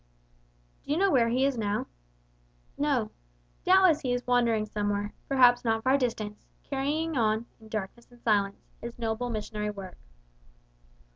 "Do you know where he is now?" "No. Doubtless he is wandering somewhere, perhaps not far distant, carrying on, in darkness and silence, his noble missionary work."